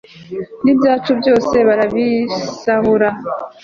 n'ibyacu byose barabisahura